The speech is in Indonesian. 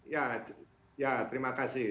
ya ya terima kasih